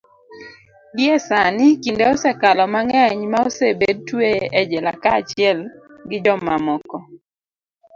gie sani, kinde osekalo mang'eny ma osebed tweye e jela kaachiel gi jomamoko